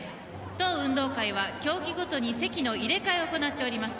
当運動会は競技ごとに席の入れ替えを行っております